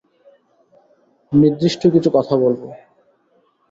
নির্দিষ্ট কিছু কথা বলব।